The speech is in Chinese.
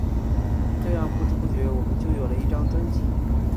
这样不知不觉我们就有了一张专辑。